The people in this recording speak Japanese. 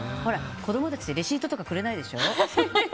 子供たちってレシートとかくれないでしょ。